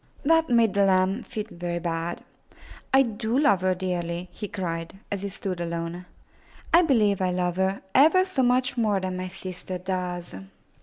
That made the lamb feel very bad. "I do love her dearly,*' he cried, as he stood alone. ^'I believe I love her ever so much more than my sister does."